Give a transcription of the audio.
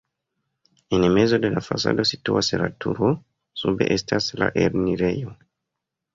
En mezo de la fasado situas la turo, sube estas la enirejo.